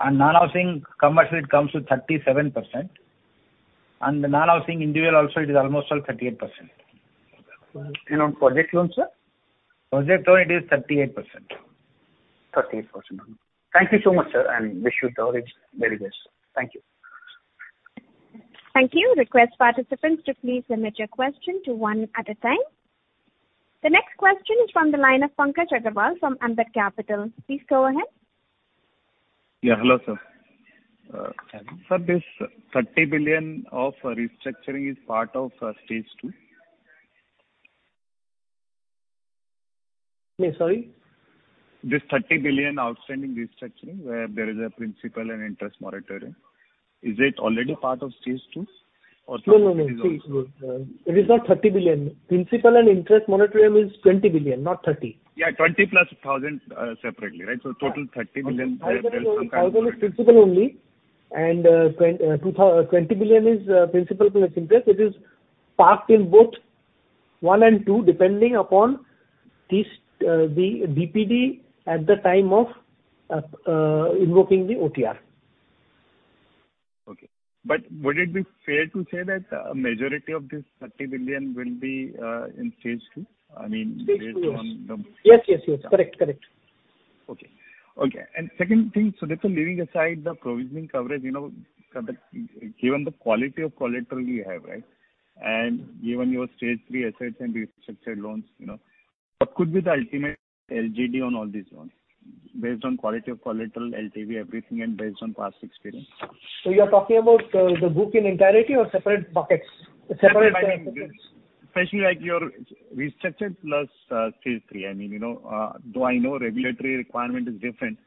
Non-housing commercial it comes to 37%. The non-housing individual also it is almost all 38%. On project loans, sir? Project loan, it is 38%. 38%. Thank you so much, sir, and wish you the very best. Thank you. Thank you. Request participants to please limit your question to one at a time. The next question is from the line of Pankaj Agarwal from Ambit Capital. Please go ahead. Yeah, hello sir. Sir, this 30 billion of restructuring is part of stage two? Sorry? This 30 billion outstanding restructuring where there is a principal and interest moratorium, is it already part of stage two or? No, no. Please note, it is not 30 billion. Principal and interest moratorium is 20 billion, not 30. Yeah, 20+ thousand, separately, right? Total 30 billion. Principal only and 20 billion is principal plus interest. It is parked in both one and two depending upon this, the DPD at the time of invoking the OTR. Okay. Would it be fair to say that a majority of this 30 billion will be in stage two? I mean based on Stage two, yes. Yes. Correct. Okay. Second thing, Sudipto, leaving aside the provisioning coverage, you know, given the quality of collateral you have, right? Given your stage three assets and restructured loans, you know, what could be the ultimate LGD on all these loans based on quality of collateral, LTV, everything, and based on past experience? You are talking about the book in entirety or separate buckets? Separate Especially like your restructured plus, stage three. I mean, you know, though I know regulatory requirement is different,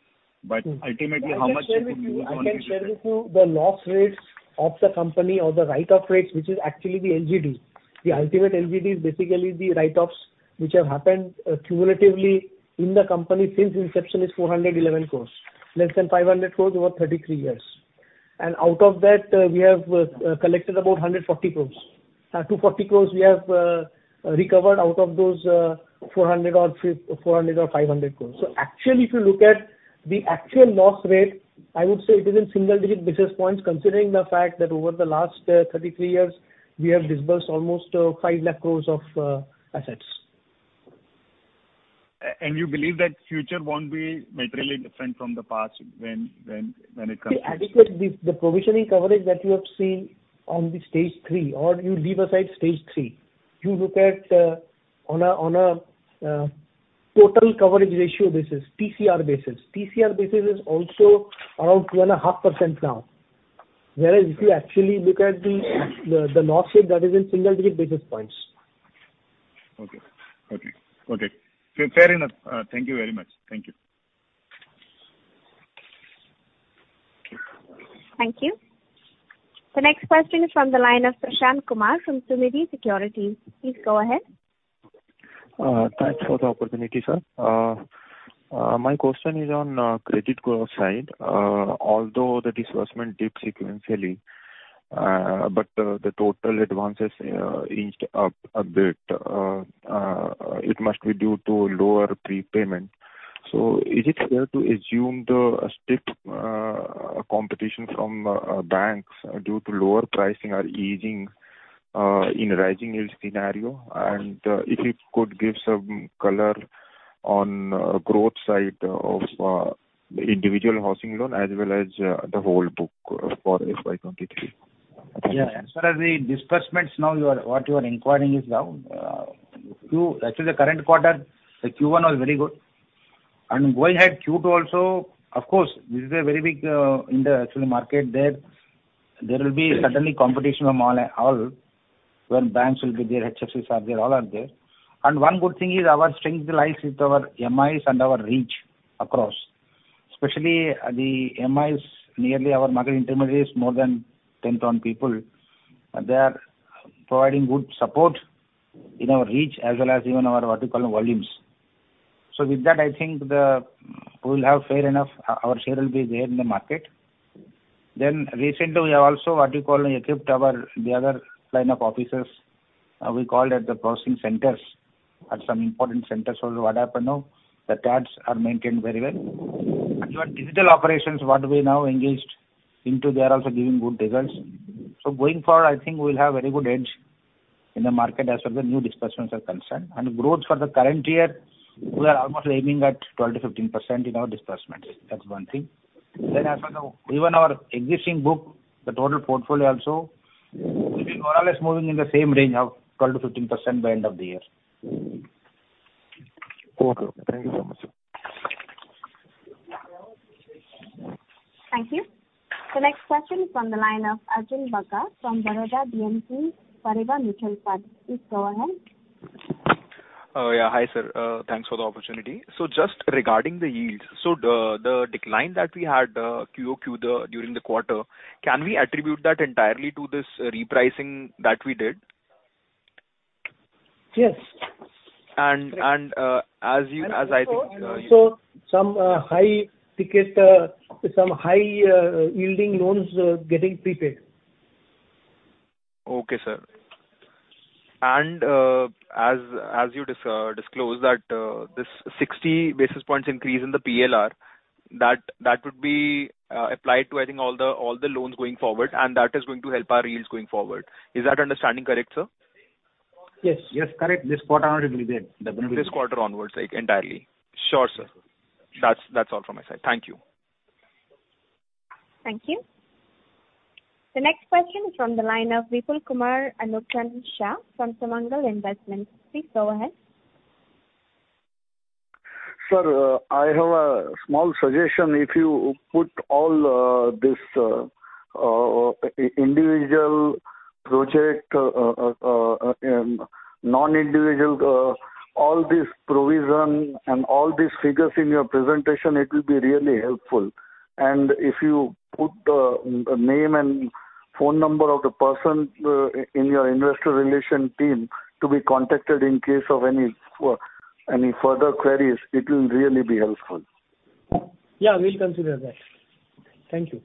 but ultimately how much I can share with you the loss rates of the company or the write off rates, which is actually the LGD. The ultimate LGD is basically the write offs which have happened cumulatively in the company since inception is 411 crore. Less than 500 crore over 33 years. Out of that, we have collected about 140 crore. 240 crore we have recovered out of those 400 or 500 crore. So actually, if you look at the actual loss rate, I would say it is in single-digit basis points, considering the fact that over the last 33 years we have disbursed almost 5 lakh crore of assets. You believe that future won't be materially different from the past when it comes to this? The adequacy of the provisioning coverage that you have seen on the Stage three, or you leave aside Stage three, you look at on a total coverage ratio basis, TCR basis is also around 2.5% now. Whereas if you actually look at the loss rate, that is in single-digit basis points. Okay. Fair enough. Thank you very much. Thank you. Thank you. The next question is from the line of Prashant Kumar from Sunidhi Securities. Please go ahead. Thanks for the opportunity, sir. My question is on credit growth side. Although the disbursement dipped sequentially, but the total advances inched up a bit. It must be due to lower prepayment. So is it fair to assume the strict competition from banks due to lower pricing are easing in rising yield scenario? If you could give some color on growth side of the individual housing loan as well as the whole book for FY 2023. Yeah, as far as the disbursements now you are, what you are inquiring is, actually the current quarter, the Q1 was very good. Going ahead, Q2 also, of course, this is a very big, in the actual market there. There will be certainly competition from all, where banks will be there, HFCs are there, all are there. One good thing is our strength lies with our MIs and our reach across. Especially the MIs, nearly our market intermediaries, more than 10,000 people. They are providing good support in our reach as well as even our, what you call, volumes. With that, I think we'll have fair enough, our share will be there in the market. Recently we have also, what you call, equipped our, the other line of officers, we call it the processing centers at some important centers. What happened now, the cards are maintained very well. Your digital operations, what we now engaged into, they are also giving good results. Going forward, I think we'll have very good edge in the market as far as the new disbursements are concerned. Growth for the current year, we are almost aiming at 12%-15% in our disbursements. That's one thing. As for now, even our existing book, the total portfolio also will be more or less moving in the same range of 12%-15% by end of the year. Okay. Thank you so much, sir. Thank you. The next question is from the line of Arjun Bagga from Baroda BNP Paribas Mutual Fund. Please go ahead. Yeah. Hi, sir. Thanks for the opportunity. Just regarding the yields, the decline that we had, QoQ, during the quarter, can we attribute that entirely to this repricing that we did? Yes. As I think Some high yielding loans getting prepaid. Okay, sir. As you disclosed that, this 60 basis points increase in the PLR, that would be applied to, I think all the loans going forward, and that is going to help our yields going forward. Is that understanding correct, sir? Yes. Yes. Correct. This quarter on it will be there. This quarter onwards, like entirely. Sure, sir. That's all from my side. Thank you. Thank you. The next question is from the line of Vipul Kumar Shah from Sumangal Investments. Please go ahead. Sir, I have a small suggestion. If you put all this individual project non-individual all this provision and all these figures in your presentation, it will be really helpful. If you put name and phone number of the person in your investor relation team to be contacted in case of any further queries, it will really be helpful. Yeah. We'll consider that. Thank you.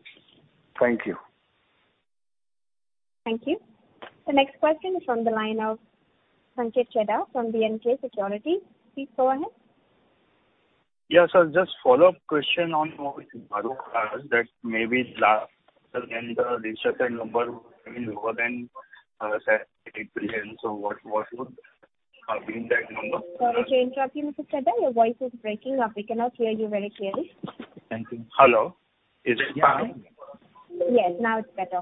Thank you. Thank you. The next question is from the line of Sanket Chheda from B&K Securities. Please go ahead. Just follow-up question on what Mahrukh Adajania asked that maybe last quarter then the restricted number will be lower than 70%. What would be that number? Sorry to interrupt you, Mr. Chheda. Your voice is breaking up. We cannot hear you very clearly. Thank you. Hello. Is it fine? Yes, now it's better.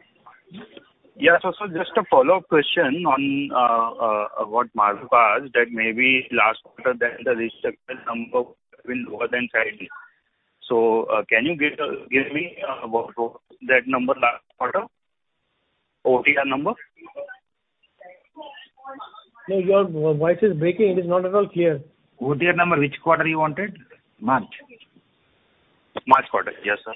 Just a follow-up question on what Mahrukh asked that maybe last quarter then the restricted number will be lower than 70. Can you give me what was that number last quarter? OTR number. No, your voice is breaking. It is not at all clear. OTR number, which quarter you wanted? March. March quarter. Yes, sir.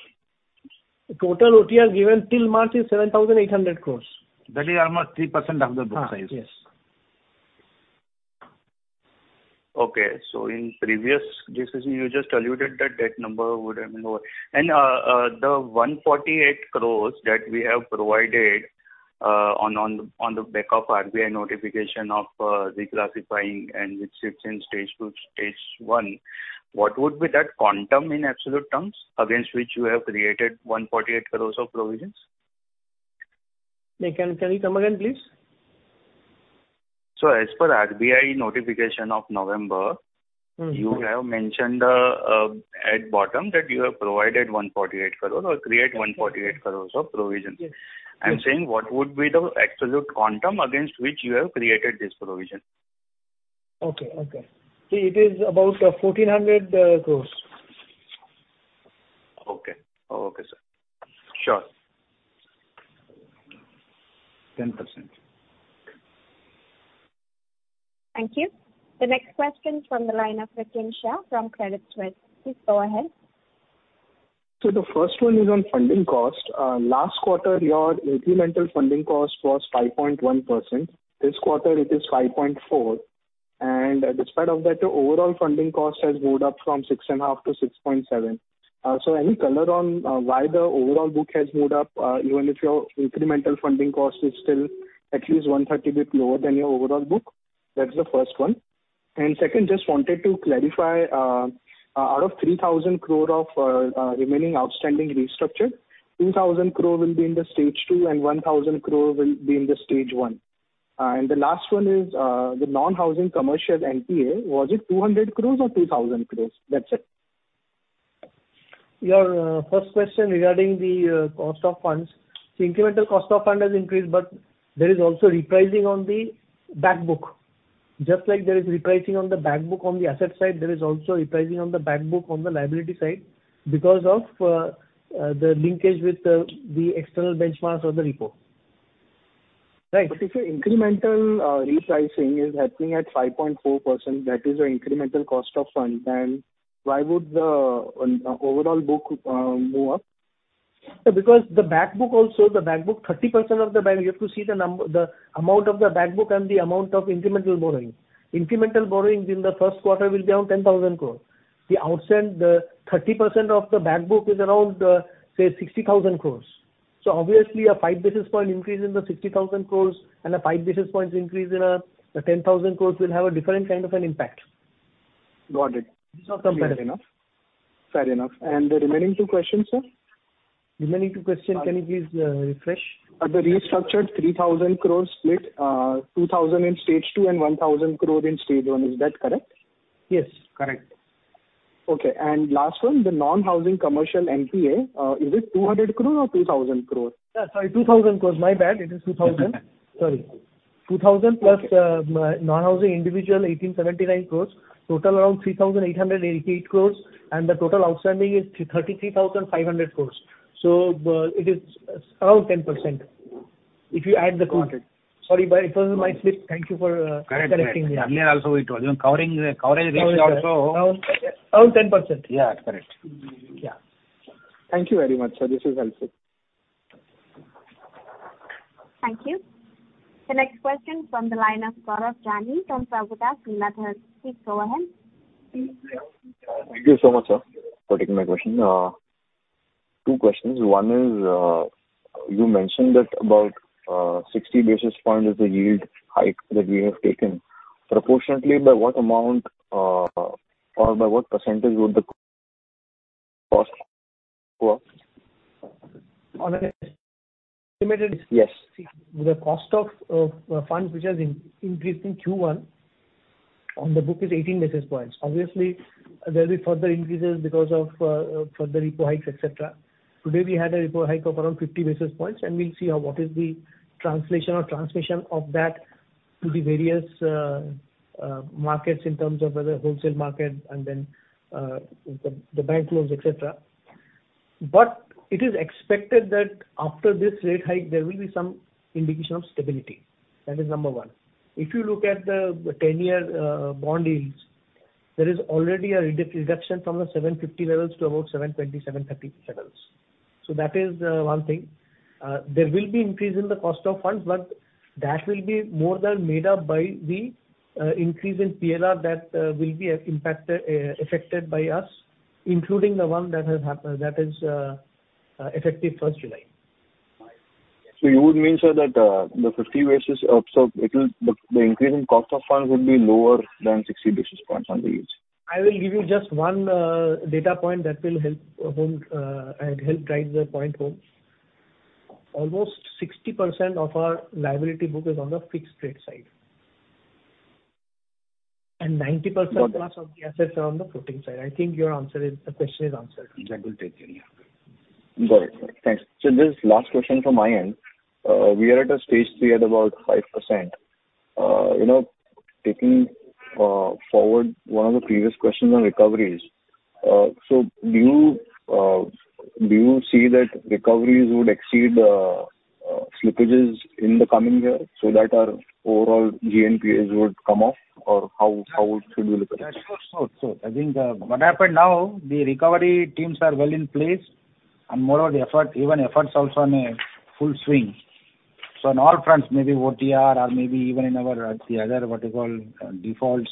Total OTR given till March is 7,800 crores. That is almost 3% of the book size. In previous discussion, you just allued that that number would have been lower. The 148 crore that we have provided, on the back of RBI notification of reclassifying and which sits in Stage two, Stage one, what would be that quantum in absolute terms against which you have created 148 crore of provisions? Can you come again, please? As per RBI notification of November- You have mentioned at the bottom that you have provided 148 crore or created 148 crores of provisions. Yes. Yes. I'm saying what would be the absolute quantum against which you have created this provision? Okay. See, it is about 1,400 crores. Okay. Okay, sir. Sure. 10%. Thank you. The next question is from the line of Rikin Shah from Credit Suisse. Please go ahead. The first one is on funding cost. Last quarter, your incremental funding cost was 5.1%. This quarter it is 5.4%. Despite of that, your overall funding cost has moved up from 6.5%-6.7%. So any color on why the overall book has moved up even if your incremental funding cost is still at least 130 basis points lower than your overall book? That's the first one. Second, just wanted to clarify, out of 3,000 crore of remaining outstanding restructure, 2,000 crore will be in the stage two and 1,000 crore will be in the stage one. The last one is the non-housing commercial NPA, was it 200 crores or 2,000 crores? That's it. Your first question regarding the cost of funds. The incremental cost of funds has increased, but there is also repricing on the back book. Just like there is repricing on the back book on the asset side, there is also repricing on the back book on the liability side because of the linkage with the external benchmarks or the repo. Thanks. If your incremental repricing is happening at 5.4%, that is your incremental cost of fund, then why would the overall book move up? Because the back book, 30% of the bank, you have to see the amount of the back book and the amount of incremental borrowing. Incremental borrowings in the first quarter will be around 10,000 crore. The outstanding 30% of the back book is around, say, 60,000 crore. Obviously a 5 basis point increase in the 60,000 crore and a 5 basis points increase in the 10,000 crore will have a different kind of an impact. Got it. It's not comparable. Fair enough. The remaining two questions, sir? Remaining two question, can you please refresh? Are the restructured 3,000 crore split, 2,000 crore in stage two and 1,000 crore in stage one? Is that correct? Yes, correct. Okay. Last one, the non-housing commercial NPA, is it 200 crore or 2,000 crore? Sorry, 2,000 crore. My bad. It is 2,000. Sorry. 2,000 plus non-housing individual, 1,879 crore. Total around 3,808 crore, and the total outstanding is 33,500 crore. It is around 10% if you add the two. Got it. Sorry, but it was my slip. Thank you for correcting me. Correct. Earlier also we told you, coverage ratio also. Around 10%. Yeah. Correct. Yeah. Thank you very much, sir. This is helpful. Thank you. The next question from the line of Gaurav Jani from Prabhudas Lilladher. Please go ahead. Thank you so much, sir, for taking my question. Two questions. One is, you mentioned that about 60 basis points is the yield hike that we have taken. Proportionately, by what amount, or by what percentage would the cost go up? On an estimated- Yes. The cost of funds which has increased in Q1 on the book is 18 basis points. Obviously, there'll be further increases because of further repo hikes, et cetera. Today, we had a repo hike of around 50 basis points, and we'll see how what is the translation or transmission of that to the various markets in terms of whether wholesale market and then the bank loans, et cetera. It is expected that after this rate hike, there will be some indication of stability. That is number one. If you look at the 10-year bond yields, there is already a reduction from the 7.50% levels to about 7.20%-7.30% levels. That is one thing. There will be increase in the cost of funds, but that will be more than made up by the increase in PLR that will be affected by us, including the one that has happened, that is effective 1st July. You would mean, sir, that the 50 basis points increase in cost of funds would be lower than 60 basis points on the yields. I will give you just one data point that will help drive the point home. Almost 60% of our liability book is on the fixed rate side. 90%- Got it. Plus of the assets are on the floating side. I think your answer is, the question is answered. That will take care, yeah. Got it. Thanks. Just last question from my end. We are at a stage three at about 5%. You know, taking forward one of the previous questions on recoveries. Do you see that recoveries would exceed slippages in the coming year so that our overall GNPA would come off or how should we look at it? Yeah, sure. I think what happened now, the recovery teams are well in place and moreover the effort, even efforts also in full swing. On all fronts, maybe OTR or maybe even in our, the other, what you call, defaults.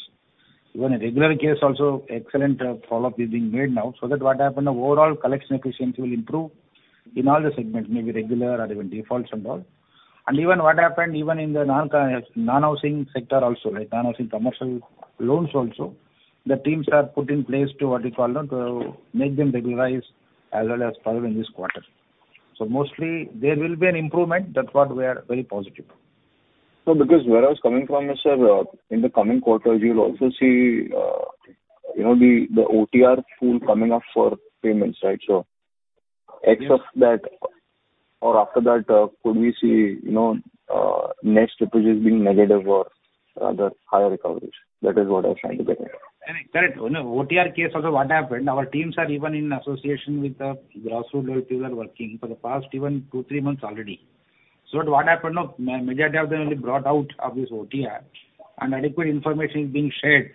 Even a regular case also, excellent follow-up is being made now, so that what happen, the overall collection efficiency will improve in all the segments, maybe regular or even defaults and all. Even what happened in the non-housing sector also, right? Non-housing commercial loans also, the teams are put in place to, what you call, to make them regularize as well as perform in this quarter. Mostly there will be an improvement. That's what we are very positive. No, because where I was coming from is, sir, in the coming quarter, you'll also see, you know, the OTR pool coming up for payments, right? So X of that or after that, could we see, you know, net slippages being negative or, the higher recoveries? That is what I was trying to get at. Correct. You know, OTR case also what happened, our teams are even in association with the grassroots levels, they were working for the past even two, three months already. What happened, no, majority of them we brought out of this OTR and adequate information is being shared,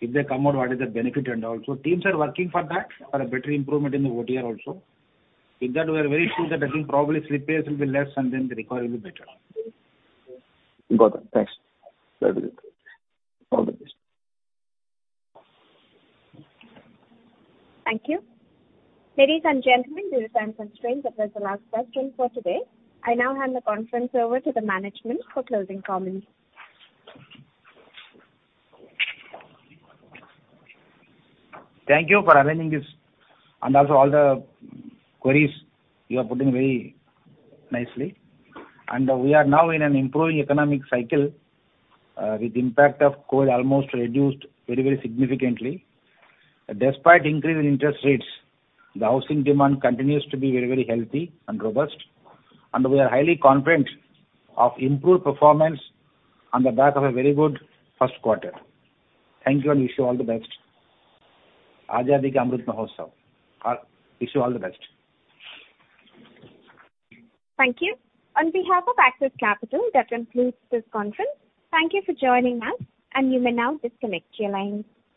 if they come out, what is the benefit and all. Teams are working for that, for a better improvement in the OTR also. In that we are very sure that there will probably slippages will be less and then the recovery will be better. Got it. Thanks. That will be it. All the best. Thank you. Ladies and gentlemen, due to time constraints, that was the last question for today. I now hand the conference over to the management for closing comments. Thank you for arranging this and also all the queries you are putting very nicely. We are now in an improving economic cycle, with impact of COVID almost reduced very, very significantly. Despite increase in interest rates, the housing demand continues to be very, very healthy and robust, and we are highly confident of improved performance on the back of a very good first quarter. Thank you and wish you all the best. Azadi Amrit Mahotsav. Wish you all the best. Thank you. On behalf of Axis Capital, that concludes this conference. Thank you for joining us, and you may now disconnect your lines.